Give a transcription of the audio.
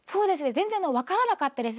全然分からなかったです。